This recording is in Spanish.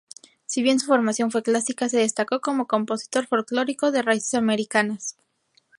Si bien su formación fue clásica, se destacó como compositor folclórico de raíces americanas.